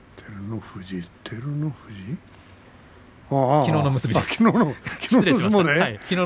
きのうの結びです。